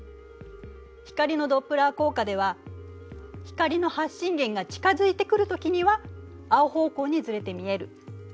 光のドップラー効果では光の発信源が近づいてくるときには青方向にずれて見える。